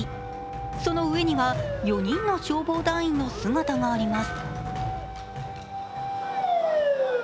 その上には、４人の消防団員の姿があります。